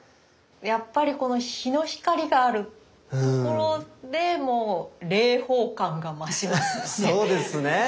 やっぱりこの日の光があるところでもう霊峰感が増しますよね。